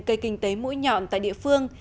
cây kinh tế mũi nhọn tại địa phương